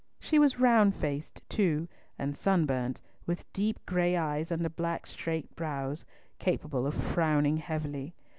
She was round faced too, and sunburnt, with deep gray eyes under black straight brows, capable of frowning heavily.